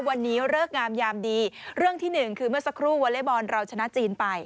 วันนี้เลิกงามยามดีเรื่องที่หนึ่งคือเมื่อสักครู่วอเล็กบอลเราชนะจีนไป